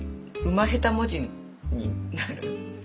ま下手文字になる。